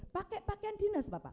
pakai pakaian dinas bapak